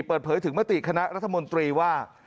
เปิดเผยถึงมติคณะรัฐมนตรีว่า